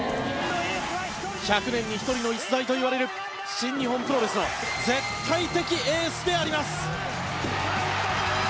１００年に一人の逸材といわれる新日本プロレスの絶対的エースであります。